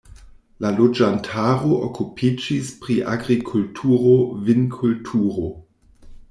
La loĝantaro okupiĝis pri agrikulturo, vinkulturo.